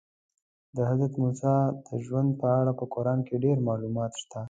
د حضرت موسی د ژوند په اړه په قرآن کې ډېر معلومات شته.